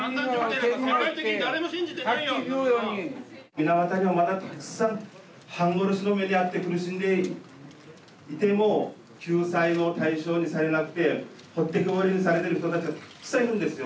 水俣病はまだたくさん半殺しの目に遭って苦しんでいても救済の対象にされなくて置いてけぼりにされてる人たちがたくさんいるんですよ。